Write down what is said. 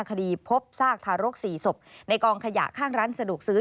คดีพบซากทารก๔ศพในกองขยะข้างร้านสะดวกซื้อ